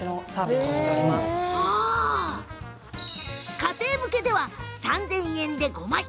家庭向けでは３０００円で５枚。